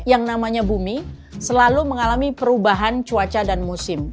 yang namanya bumi selalu mengalami perubahan cuaca dan musim